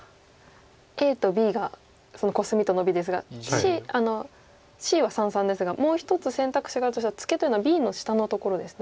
ＡとＢがそのコスミとノビですがＣは三々ですがもう一つ選択肢があるとしたらツケというのはＢの下のところですね。